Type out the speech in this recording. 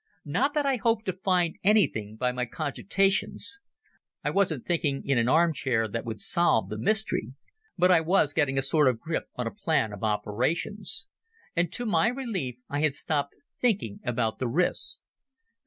Not that I hoped to find anything by my cogitations. It wasn't thinking in an arm chair that would solve the mystery. But I was getting a sort of grip on a plan of operations. And to my relief I had stopped thinking about the risks.